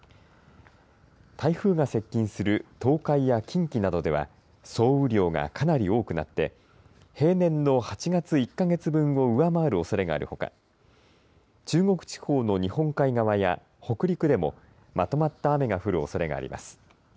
台風が接近する東海や近畿などでは総雨量がかなり多くなって平年の８月１か月分を上回るおそれがあるほか中国地方の日本海側や北陸でもまとまった雨が降るおそれがあります。